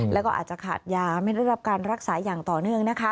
แล้วก็อาจจะขาดยาไม่ได้รับการรักษาอย่างต่อเนื่องนะคะ